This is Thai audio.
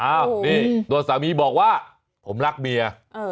อ้าวนี่ตัวสามีบอกว่าผมรักเมีย